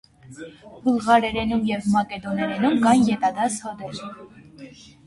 Բուլղարերենում և մակեդոներենում կան ետադաս հոդեր։